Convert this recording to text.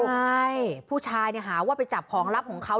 ใช่ผู้ชายเนี่ยหาว่าไปจับของลับของเขา